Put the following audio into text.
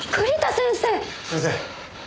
先生。